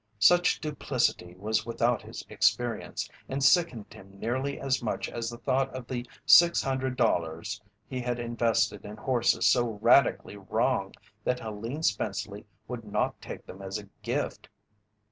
Such duplicity was without his experience, and sickened him nearly as much as the thought of the $600 he had invested in horses so radically wrong that Helene Spenceley would not take them as a gift.